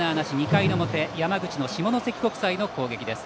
２回の表山口の下関国際の攻撃です。